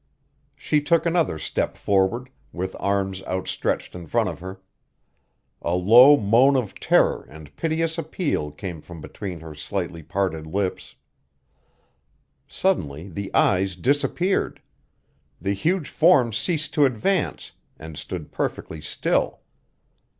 She took another step forward, with arms outstretched in front of her. A low moan of terror and piteous appeal came from between her slightly parted lips. Suddenly the eyes disappeared. The huge form ceased to advance and stood perfectly still.